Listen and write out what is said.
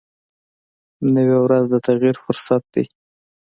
نوې ورځ د تغیر فرصت دی